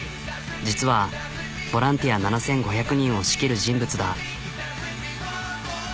実はボランティア７、５００人を仕切る人物だ。